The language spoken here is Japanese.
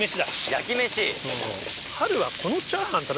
焼き飯。